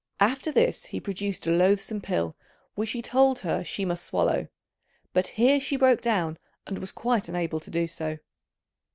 After this he produced a loathsome pill which he told her she must swallow, but here she broke down and was quite unable to do so.